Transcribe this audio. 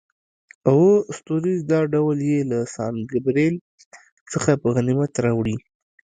اووه ستوریز، دا ټول یې له سان ګبرېل څخه په غنیمت راوړي.